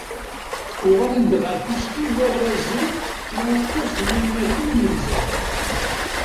Uɣalen-d ɣer tikci n warrazen i ukkuẓ n yinelmaden imenza.